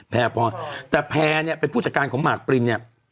แพร่พอแต่แพรเนี่ยเป็นผู้จัดการของหมากปรินเนี่ย